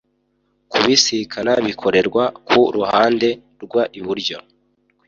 kubisikana bikorerwa ku ruhande rw iburyo